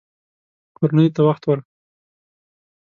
کورنۍ ته وخت ورکړه